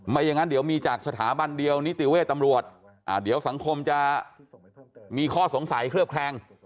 อย่างนั้นเดี๋ยวมีจากสถาบันเดียวนิติเวทย์ตำรวจเดี๋ยวสังคมจะมีข้อสงสัยเคลือบแคลง